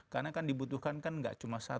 karena kan dibutuhkan tidak cuma satu